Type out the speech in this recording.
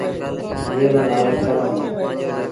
جݩهݩ رو نآلو سروڻ اهي۔